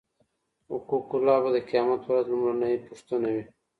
حقوق الله به د قیامت په ورځ لومړنۍ پوښتنه وي.